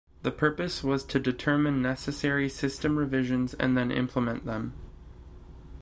The purpose was to determine necessary system revisions and then implement them.